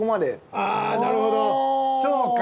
あぁなるほどそうか。